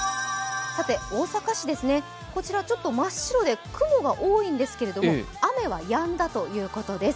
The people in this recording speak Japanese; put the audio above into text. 大阪市ですね、こちら、真っ白で雲が多いんですが雨はやんだということです。